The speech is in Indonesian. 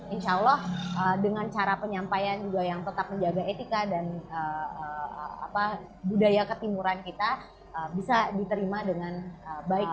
insya allah dengan cara penyampaian juga yang tetap menjaga etika dan budaya ketimuran kita bisa diterima dengan baik